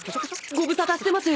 ご無沙汰してます。